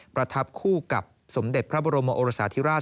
ประทับคู่กับสมเด็จพระบรมโอรสาธิราช